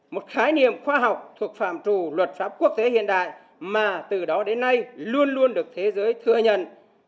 một khái niệm khoa học thuộc phạm trù luật pháp quốc tế hiện đại mà từ đó đến nay luôn luôn được thế giới thừa nhận